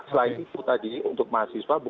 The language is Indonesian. dan setelah itu saya mau terangkan kembali ke pak ibu